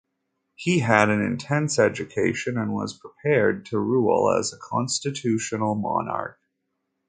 He had an intense education and was prepared to rule as a constitutional monarch.